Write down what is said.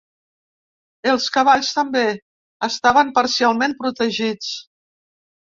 Els cavalls també estaven parcialment protegits.